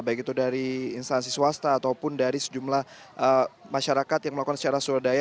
baik itu dari instansi swasta ataupun dari sejumlah masyarakat yang melakukan secara swadaya